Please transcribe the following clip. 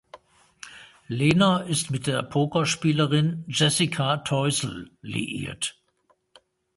Lehner ist mit der Pokerspielerin Jessica Teusl liiert.